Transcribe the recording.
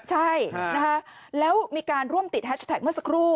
ใช่นะคะอ่าค่ะแล้วมีการร่วมติดแฮชแตกเมื่อสักรู